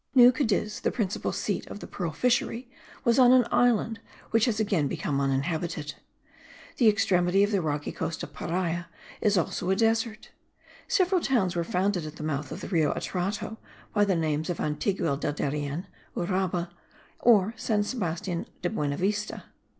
New Cadiz, the principal seat of the pearl fishery, was on an island which has again become uninhabited. The extremity of the rocky coast of Paria is also a desert. Several towns were founded at the mouth of the Rio Atrato, by the names of Antigua del Darien, Uraba or San Sebastian de Buenavista.